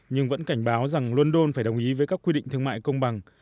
nhưng vẫn cảnh báo rằng london phải đồng ý với các quy định thương mại công bằng